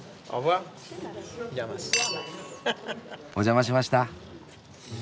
お邪魔しました。